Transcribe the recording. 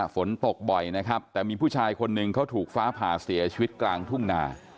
ฝนตกบ่อยนะครับแต่มีผู้ชายคนหนึ่งเขาถูกฟ้าผ่าเสียชีวิตกลางทุ่งนา